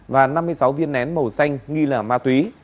và năm mươi sáu viên nén màu xanh nghi lẻ ma túy